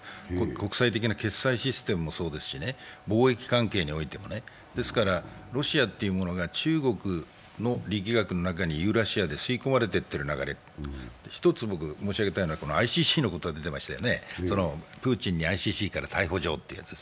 国際的な決裁システムもそうですし、貿易関係においてもね。ですから、ロシアというものが中国の力学の中にユーラシアで吸い込まれていっている中で一つ申し上げたいのはＩＣＣが出てましたよね、プーチン氏にＩＣＣから逮捕状と。